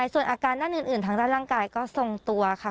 ส่วนอาการด้านอื่นทางด้านร่างกายก็ทรงตัวค่ะ